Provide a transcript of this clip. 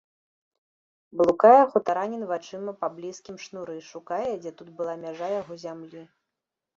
Блукае хутаранін вачыма па блізкім шнуры, шукае, дзе тут была мяжа яго зямлі.